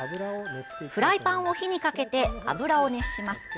フライパンを火にかけて油を熱します。